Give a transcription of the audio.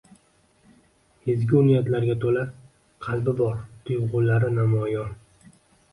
Ezgu niyatlarga toʻla qalbi bor tuygʻulari namoyon